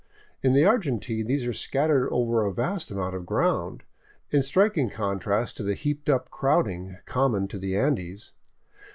In the Argentine these are scattered over a vast amount of ground, in striking contrast to the heaped up crowding common to the Andes.